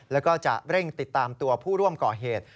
แล้วก็จะเร่งติดตามตัวผู้ร่วมก่อเหตุ